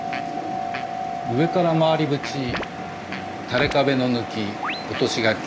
上からまわり縁垂れ壁の貫落とし掛け